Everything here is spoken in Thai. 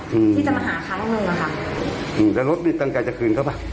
อืมที่จะมาหาครั้งหนึ่งอ่ะค่ะอืมแล้วรถนี่ตั้งใจจะคืนเขาป่ะ